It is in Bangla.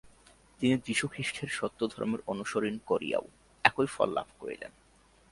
তিনি যীশুখ্রীষ্টের সত্যধর্মের অনুসরণ করিয়াও একই ফল লাভ করিলেন।